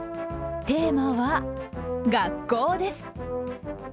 テーマは学校です。